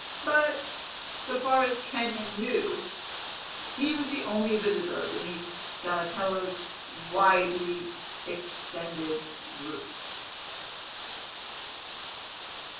But, so far as Kenyon knew, he was the only visitor beneath Donatello's widely extended roof.